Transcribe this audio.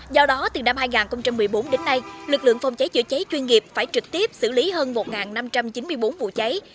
do đó từ năm hai nghìn một mươi bốn đến nay lực lượng phòng cháy chữa cháy chuyên nghiệp phải trực tiếp xử lý hơn một năm trăm chín mươi bốn vụ cháy